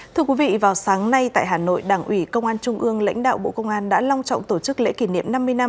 thưa quý vị vào sáng nay tại hà nội đảng ủy công an trung ương lãnh đạo bộ công an đã long trọng tổ chức lễ kỷ niệm năm mươi năm